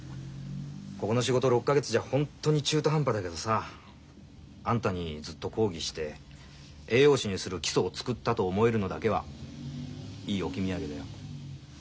ここの仕事６か月じゃホンットに中途半端だけどさあんたにずっと講義して栄養士にする基礎を作ったと思えるのだけはいい置き土産だよ。